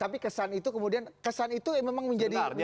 tapi kesan itu kemudian kesan itu memang menjadi